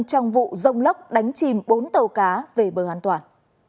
trong vụ rông lốc đánh chìm bốn tàu cá về bờ an toàn